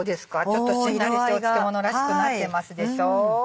ちょっとしんなりして漬物らしくなってますでしょう？